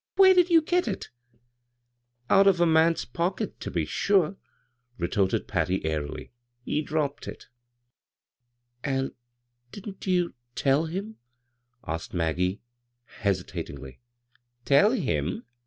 " Where did you get it ?"" Out of a man's pocket, ter be sure," re torted Patty, airily. " He dropped it" " And didn't you — tell him ?" asked Mag gie, hesitatingly. " Tell him